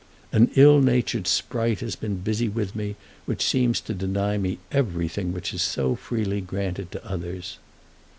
An ill natured sprite has been busy with me, which seems to deny me everything which is so freely granted to others.